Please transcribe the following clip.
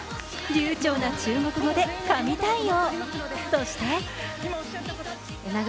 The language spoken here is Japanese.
流ちょうな中国語で神対応。